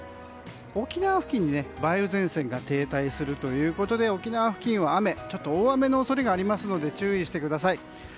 沖縄付近に梅雨前線が停滞するということで沖縄付近は大雨の恐れがありますので注意してください。